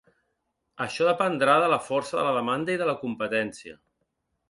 Això dependrà de la força de la demanda i de la competència.